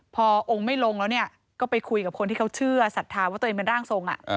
พอองค์ไม่ลงแล้วเนี่ยก็ไปคุยกับคนที่เขาเชื่อศรัทธาว่าตัวเองเป็นร่างทรง